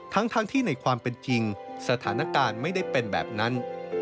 ทั้งที่ในความเป็นจริงสถานการณ์ไม่ได้เป็นแบบนั้น